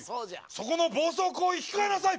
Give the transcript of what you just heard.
そこの暴走行為控えなさい！